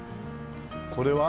これは？